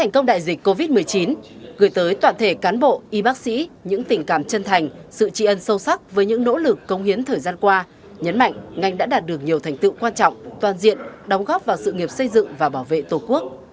công đại dịch covid một mươi chín gửi tới toàn thể cán bộ y bác sĩ những tình cảm chân thành sự tri ân sâu sắc với những nỗ lực công hiến thời gian qua nhấn mạnh ngành đã đạt được nhiều thành tựu quan trọng toàn diện đóng góp vào sự nghiệp xây dựng và bảo vệ tổ quốc